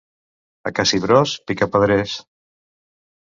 A Cassibrós, picapedrers.